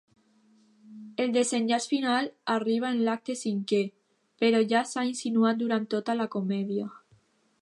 El desenllaç final arriba en l'acte cinquè, però ja s'ha insinuat durant tota la comèdia.